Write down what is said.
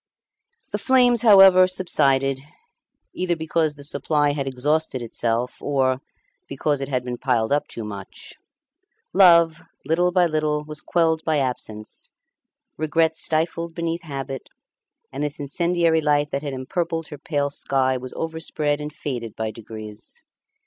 The flames, however, subsided, either because the supply had exhausted itself, or because it had been piled up too much. Love, little by little, was quelled by absence; regret stifled beneath habit; and this incendiary light that had empurpled her pale sky was overspread and faded by degrees.